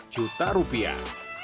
sembilan empat juta rupiah